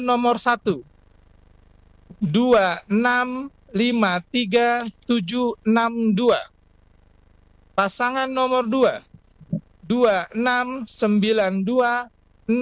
hasil rekapitulasi penghitungan suara tingkat provinsi selama tiga hari mulai tujuh hingga sembilan maret